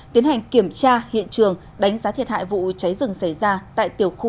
tiến hành kiểm tra hiện trường đánh giá thiệt hại vụ cháy rừng xảy ra tại tiểu khu hai trăm tám mươi sáu